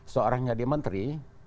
seorang yang jadi menteri